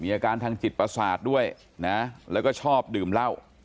อาการทางจิตประสาทด้วยนะแล้วก็ชอบดื่มเหล้า